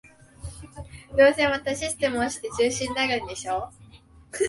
どうせまたシステム落ちて中止になるんでしょ